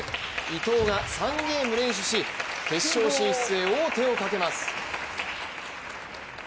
伊藤が３ゲーム連取し決勝進出へ王手をかけます。